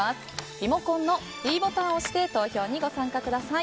リモコンのｄボタンを押して投票にご参加ください。